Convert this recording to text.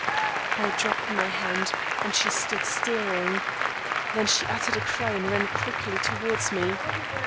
_ I dropped my hand, and she stood staring; then she uttered a cry and ran quickly towards me.